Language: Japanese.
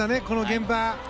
この現場。